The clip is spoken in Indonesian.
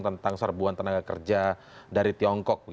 tentang serbuan tenaga kerja dari tiongkok